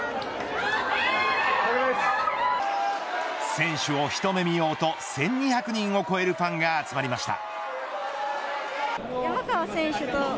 選手を一目見ようと１２００人を超えるファンが集まりました。